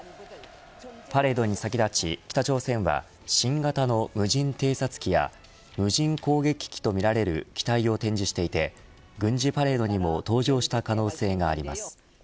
パレードに先立ち、北朝鮮は新型の無人偵察機や無人攻撃機とみられる機体を展示していて軍事パレードにも登場した可能性があります。